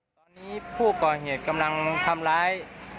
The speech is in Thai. ตอนนี้ผู้ก่อเหตุกำลังทำร้าย